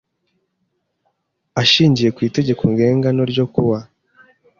Ashingiye ku Itegeko Ngenga no ryo kuwa